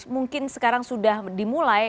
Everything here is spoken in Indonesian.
mungkin sekarang sudah dimulai